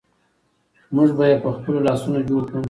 موږ به یې په خپلو لاسونو جوړ کړو.